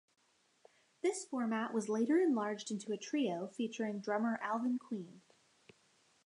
This format was later enlarged into a trio featuring drummer, Alvin Queen.